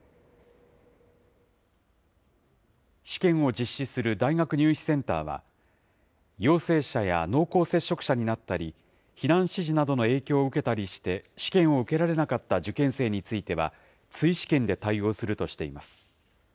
試験を実施する大学入試センターは、陽性者や濃厚接触者になったり、避難指示などの影響を受けたりして試験を受けられなかった受験生については、追試験で対応するとしています。